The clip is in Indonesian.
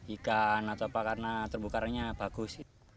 ikan atau apa karena terbukarannya bagus